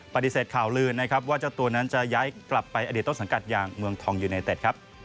ปฏิเสธข่าวลือนะครับว่าเจ้าตัวนั้นจะย้ายกลับไปอดีตต้นสังกัดอย่างเมืองทองยูไนเต็ดครับ